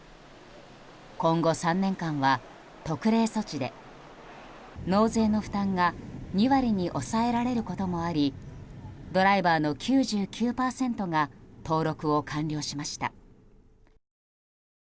今後３年間は特例措置で納税の負担が２割に抑えられることもありドライバーの９９％が登録を完了しました。